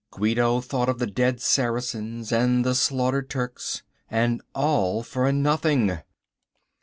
Guido thought of the dead Saracens and the slaughtered Turks. And all for nothing!